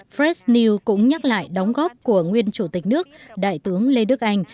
fresh news cũng nhắc lại đóng góp của nguyên chủ tịch nước đại tướng lê đức anh